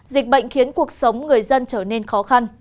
dịch bệnh khiến cuộc sống người dân trở nên khó khăn